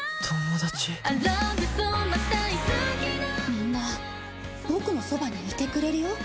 みんなボクのそばにいてくれるよ。